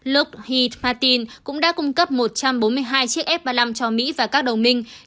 logh martin cũng đã cung cấp một trăm bốn mươi hai chiếc f ba mươi năm cho mỹ và các đồng minh